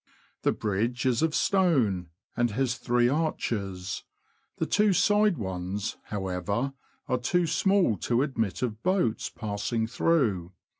The bridge is of stone, and has three arches ; the two side ones, however, are too small to admit of boats passing through.